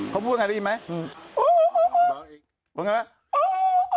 เขาพูดง่ายดีไหมบอกอีกบอกง่ายดีแล้ว